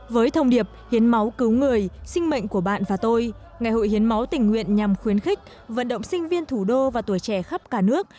với thông điệp hiến máu cứu người sinh mệnh của bạn và tôi ngày hội hiến máu tình nguyện nhằm khuyến khích vận động sinh viên thủ đô và tuổi trẻ khắp cả nước